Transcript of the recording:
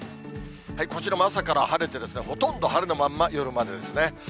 こちらも朝から晴れて、ほとんど晴れのまんま、夜までですね。